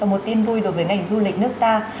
một tin vui đối với ngành du lịch nước ta